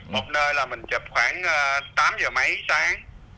một nơi là mình chụp khoảng tám giờ mấy tám